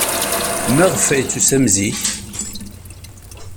Maɣef ay d-tusam zik?